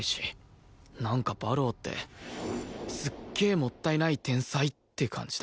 なんか馬狼ってすっげえもったいない天才って感じだ